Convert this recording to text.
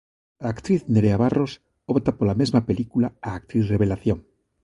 A actriz Nerea Barros opta pola mesma película a actriz revelación.